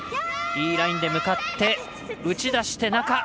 いいラインで向かって打ち出して、中。